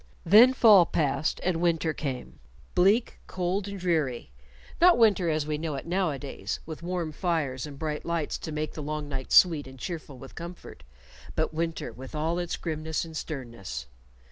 Then fall passed and winter came, bleak, cold, and dreary not winter as we know it nowadays, with warm fires and bright lights to make the long nights sweet and cheerful with comfort, but winter with all its grimness and sternness.